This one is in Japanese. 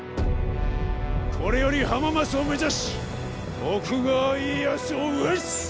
これより浜松を目指し徳川家康を討つ！